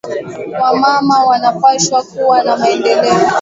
Wa mama wana pashwa kuwa na maendeleo